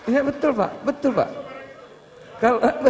iya betul pak betul pak